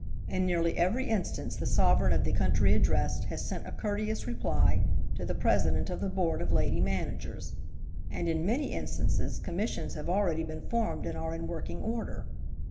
In nearly every instance the sovereign of the country addressed has sent a courteous reply to the President of the Board of Lady Managers, and in many instances Commissions have already been formed and are in working order.